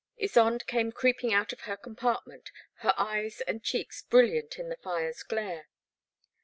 Ysonde came creeping out of her compartment, her eyes and cheeks brilliant in the fire's glare.